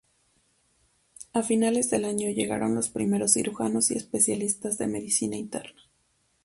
A finales de año llegaron los primeros cirujanos y especialistas de medicina interna.